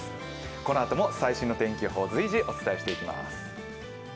このあとも最新の天気予報を随時お伝えしていきます。